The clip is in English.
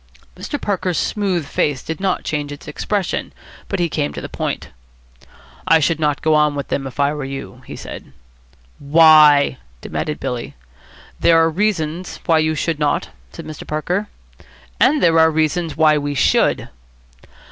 Mr. Parker's smooth face did not change its expression, but he came to the point. "I should not go on with them if I were you," he said. "Why?" demanded Billy. "There are reasons why you should not," said Mr. Parker. "And there are reasons why we should."